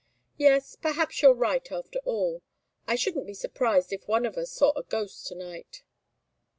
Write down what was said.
Yes perhaps you're right after all. I shouldn't be surprised if one of us saw a ghost to night."